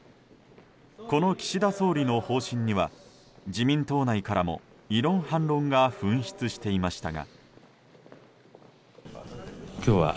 この岸田総理の方針には自民党内からも異論・反論が噴出していましたが。